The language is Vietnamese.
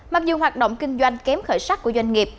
mặc dù hoạt động kinh doanh kém khởi sắc của doanh nghiệp